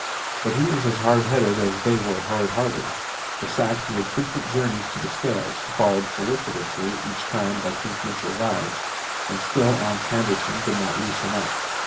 But he was as hard headed as they were hard hearted. The sack made frequent journeys to the scales, followed solicitously each time by Kink Mitchell's eyes, and still Ans Handerson did not loosen up.